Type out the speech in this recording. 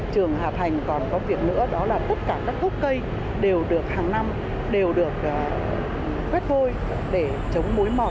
trường hà thành còn có việc nữa đó là tất cả các gốc cây đều được hàng năm đều được quét vôi để chống mối mọ